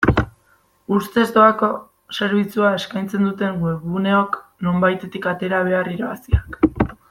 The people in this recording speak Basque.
Ustez doako zerbitzua eskaitzen duten webguneok nonbaitetik atera behar irabaziak.